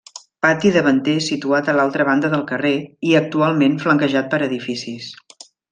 Pati davanter situat a l'altra banda del carrer i actualment flanquejat per edificis.